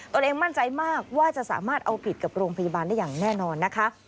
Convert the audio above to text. ตัวเองมั่นใจมากว่าจะสามารถเอาผิดกับโรงพยาบาลได้อย่างแน่นอนนะคะ